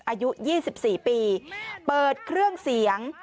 อายุ๒๔ปีเปิดเครื่องเสียง